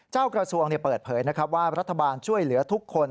เจ้ากระทรวงเปิดเผยว่ารัฐบาลช่วยเหลือทุกคน